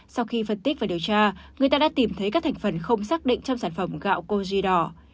sau khi phân tích và điều tra người ta đã tìm thấy các thành phần không xác định trong sản phẩm gạo cogi đỏ